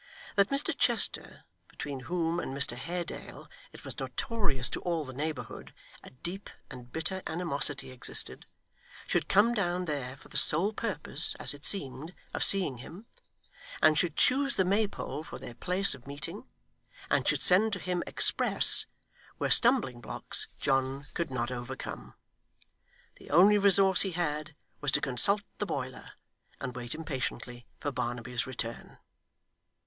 That Mr Chester, between whom and Mr Haredale, it was notorious to all the neighbourhood, a deep and bitter animosity existed, should come down there for the sole purpose, as it seemed, of seeing him, and should choose the Maypole for their place of meeting, and should send to him express, were stumbling blocks John could not overcome. The only resource he had, was to consult the boiler, and wait impatiently for Barnaby's return.